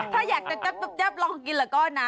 ถ้าอยากจะจับลองกินแล้วก็นะ